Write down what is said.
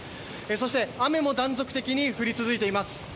そして、雨も断続的に降り続いています。